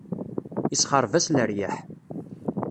Isexṛeb-as leryaḥ.